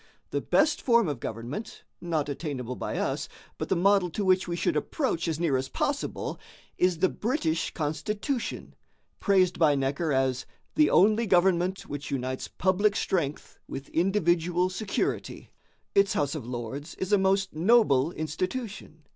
The best form of government, not attainable by us, but the model to which we should approach as near as possible, is the British constitution, praised by Necker as 'the only government which unites public strength with individual security.' Its house of lords is a most noble institution.